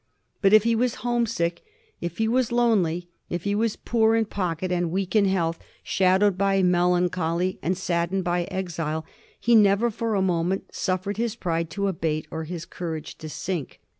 But if he was homesick, if he was lonely, if he was poor in pocket and weak in health, shadowed by melancholy and saddened by exile, he never for a moment suffered his pride to abate or his courage to sink.